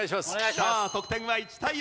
さあ得点は１対４。